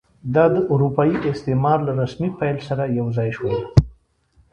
دا د اروپایي استعمار له رسمي پیل سره یو ځای شول.